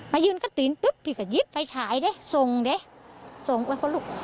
ไม่ยืนกระตินปุ๊บพี่ก็ยิบไฟฉายด้วยส่งด้วยส่งไว้คนลูก